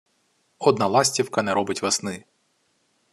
Одна ластівка не робить весни.